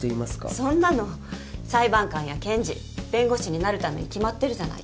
そんなの裁判官や検事弁護士になるために決まってるじゃないですか。